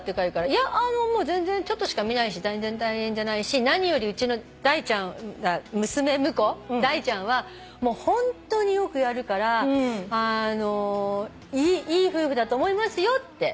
いや全然ちょっとしか見ないし全然大変じゃないし何より娘婿ダイちゃんはホントによくやるからいい夫婦だと思いますよって。